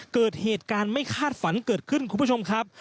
เกิดเหตุการณ์ไม่คาดฝันเกิดขึ้นคุณผู้ชมครับ